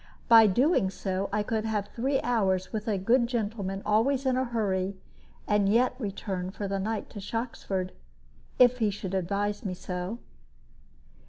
By so doing I could have three hours with a good gentleman always in a hurry, and yet return for the night to Shoxford, if he should advise me so.